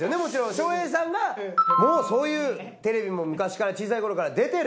翔平さんがもうそういうテレビも昔から小さい頃から出てる。